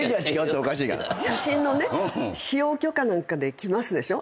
写真のね使用許可なんかで来ますでしょ。